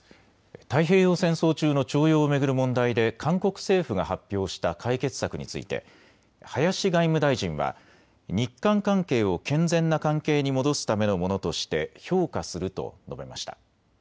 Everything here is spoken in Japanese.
太平洋戦争中の徴用を巡る問題で韓国政府が発表した解決策について林外務大臣は日韓関係を健全な関係に戻すためのものとして評価すると述べました。